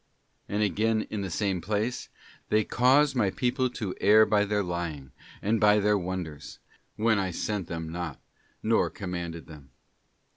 { And again in the same place: ' They cause my people to err by their lying, and by their wonders ; when I sent them not, nor commanded them.